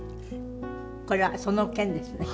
これはその件ですね。